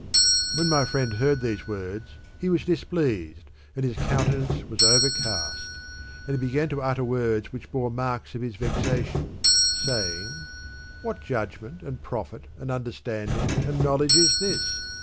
When my friend heard these words he was displeased, and his countenance was overcast, and he began to utter words which bore marks of his vexation, saying, " What judgment, and profit, and understanding, and knowledge is this